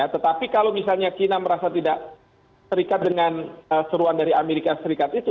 tetapi kalau misalnya china merasa tidak terikat dengan seruan dari amerika serikat itu